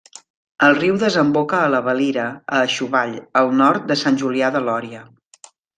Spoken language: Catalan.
El riu desemboca a la Valira a Aixovall, al nord de Sant Julià de Lòria.